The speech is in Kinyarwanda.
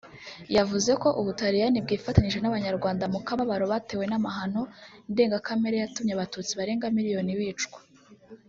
yavuze ko u Butaliyani bwifatanyije n’abanyarwanda mu kababaro batewe n’amahano ndengakamere yatumye Abatutsi barenga Miliyoni bicwa